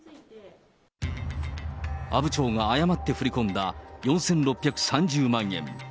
阿武町が誤って振り込んだ４６３０万円。